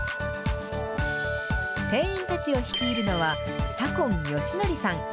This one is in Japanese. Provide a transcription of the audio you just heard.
店員たちを率いるのは、左今克憲さん。